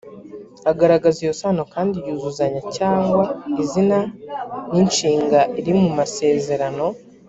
agaragaza iyo sano kandi yuzuzanya cyangwa izina n inshinga iri mumasezerano